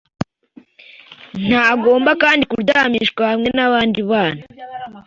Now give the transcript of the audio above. Ntagomba kandi kuryamishwa hamwe n’abandi bana